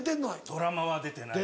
ドラマは出てないです。